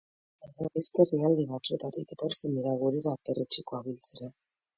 Izan ere, beste herrialde batzuetatik etortzen dira gurera perretxikoak biltzera.